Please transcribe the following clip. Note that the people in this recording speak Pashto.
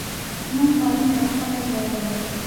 موږ پرون یو ښکلی ځای ولید.